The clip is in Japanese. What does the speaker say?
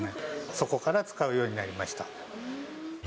そこから使うようになりました。